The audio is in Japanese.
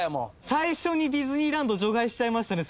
最初にディズニーランド除外しちゃいましたね。